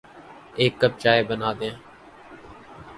ایک کپ چائے بنادیں